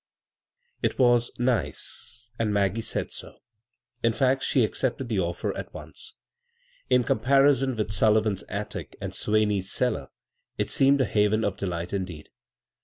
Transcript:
It was "nice," and Maggie said so. In fact, she accepted the offer at once. In com parison with Sullivan's attic and Swaney's cellar, it seemed a haven of delight indeed.